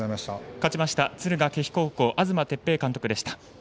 勝ちました敦賀気比高校東哲平監督でした。